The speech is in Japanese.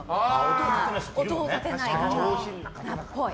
音を立てないっぽい。